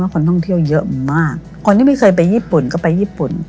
คนท่องเที่ยวเยอะมากคนที่ไม่เคยไปญี่ปุ่นก็ไปญี่ปุ่น